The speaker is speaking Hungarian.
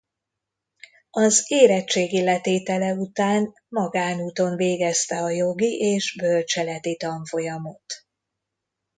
Az érettségi letétele után magánúton végezte a jogi és bölcseleti tanfolyamot.